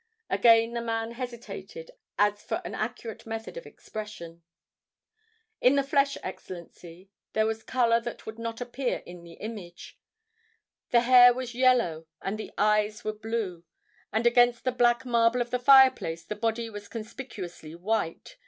Again the man hesitated, as for an accurate method of expression. "In the flesh, Excellency, there was color that would not appear in the image. The hair was yellow, and the eyes were blue; and against the black marble of the fireplace the body was conspicuously white.